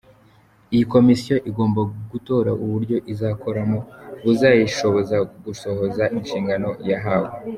Iyi Komisiyo igomba gutora uburyo izakoramo, buzayishoboza gusohoza inshingano yahawe.